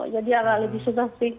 jadi agak lebih susah sih